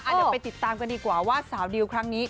เดี๋ยวไปติดตามกันดีกว่าว่าสาวดิวครั้งนี้